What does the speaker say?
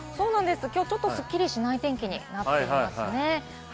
きょうはちょっとスッキリしない天気になっていますね。